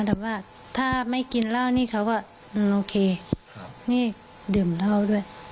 แต่ว่าถ้าไม่กินเหล้านี่เขาก็โอเคนี่ดื่มเหล้าด้วย